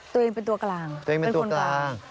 ตัวเองเป็นตัวกลางตัวเองเป็นคนกลาง